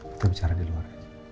kita bicara di luar